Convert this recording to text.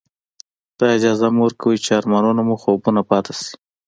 دا اجازه مه ورکوئ چې ارمانونه مو خوبونه پاتې شي.